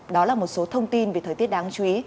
đó là một số thông tin về thời tiết đáng chú ý